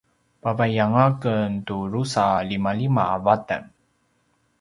pavaiyanga ken tu drusa a limalima a vatan